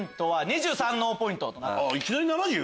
いきなり７０？